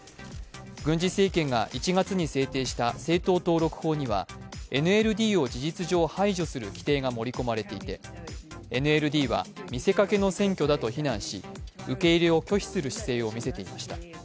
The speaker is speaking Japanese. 軍事政権が１月に制定した政党登録法にはＮＬＤを事実上排除する規定が盛り込まれていてＮＬＤは見せかけの選挙だと非難し受け入れを拒否する姿勢をみせていました。